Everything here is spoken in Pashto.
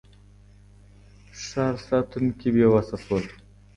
ښار ساتونکي بېوسه شول.